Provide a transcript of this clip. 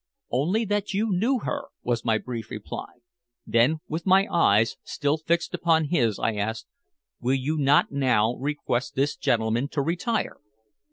"Only that you knew her," was my brief reply. Then, with my eyes still fixed upon his, I asked: "Will you not now request this gentleman to retire?"